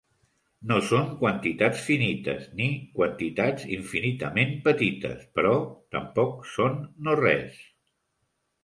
No són quantitats finites ni quantitats infinitament petites, però tampoc són no-res.